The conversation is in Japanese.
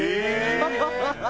ハハハハ！